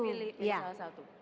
pilih salah satu